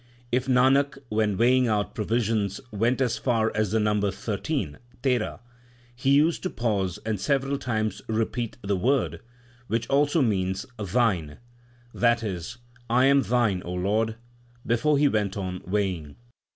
If Nanak, when weighing out provisions, went as far as the number thirteen tera he used to pause and several times repeat the word which also means Thine, that is, I am Thine, O Lord/ before he went on weighing.